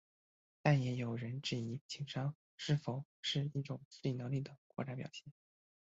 但也有人质疑情商是否是一种智力能力的扩展表现。